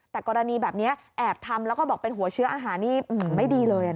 แต่กรณีแบบนี้แอบทำแล้วก็บอกเป็นหัวเชื้ออาหารนี่ไม่ดีเลย